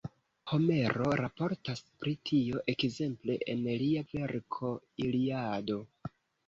Homero raportas pri tio ekzemple en lia verko Iliado.